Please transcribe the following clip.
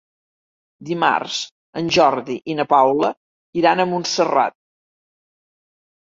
Dimarts en Jordi i na Paula iran a Montserrat.